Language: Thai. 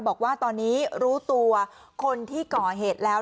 บอกว่าตอนนี้รู้ตัวคนที่ก่อเหตุแล้ว